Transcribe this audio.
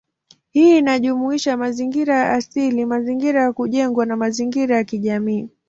Hii inajumuisha mazingira ya asili, mazingira ya kujengwa, na mazingira ya kijamii.